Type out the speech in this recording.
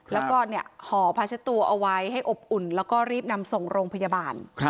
แล้วก็ห่อผ้าเช็ดตัวเอาไว้ให้อบอุ่นแล้วก็รีบนำส่งโรงพยาบาล